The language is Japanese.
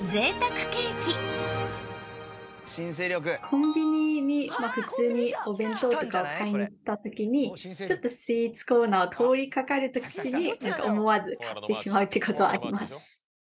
コンビニにまあ普通にお弁当とかを買いに行った時にスイーツコーナーを通りかかる時に思わず買ってしまうっていう事はあります。